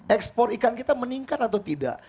ekspor ikan kita meningkat atau tidak